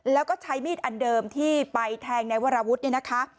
แล้วก็ใช้มีดอันเดิมที่ไปแทงในวรวุฒิเนี่ยนะคะ